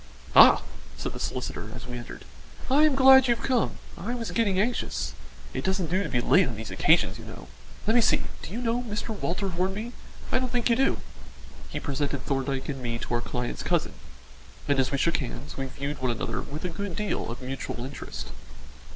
"Ah!" said the solicitor, as we entered, "I am glad you've come; I was getting anxious it doesn't do to be late on these occasions, you know. Let me see, do you know Mr. Walter Hornby? I don't think you do." He presented Thorndyke and me to our client's cousin, and as we shook hands, we viewed one another with a good deal of mutual interest.